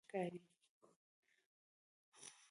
مشکوکه ښکاري.